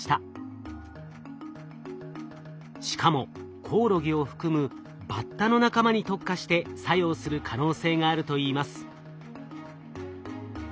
しかもコオロギを含むバッタの仲間に特化して作用する可能性があるといいます。